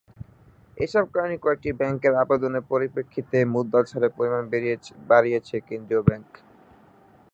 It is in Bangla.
এসব কারণে কয়েকটি ব্যাংকের আবেদনের পরিপ্রেক্ষিতে মুদ্রা ছাড়ের পরিমাণ বাড়িয়েছে কেন্দ্রীয় ব্যাংক।